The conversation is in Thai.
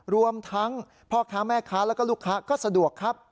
รวมทั้งพ่อค้าแม่ค้าแล้วก็ลูกค้าก็สะดวกครับ